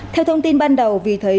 theo thông tin ban đầu vì thế